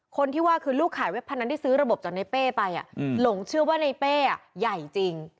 คนที่ว่าคือลูกขายเว็บพนันที่ซื้อระบบจากในเป้ไปหลงเชื่อว่าในเป้ใหญ่จริง